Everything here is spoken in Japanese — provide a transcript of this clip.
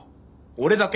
俺だけ！